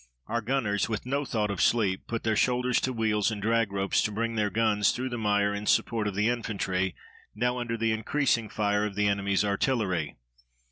Our gunners, with no thought of sleep, put their shoulders to wheels and drag ropes to bring their guns through the mire in support of the infantry, now under the increasing fire of the enemy's artillery.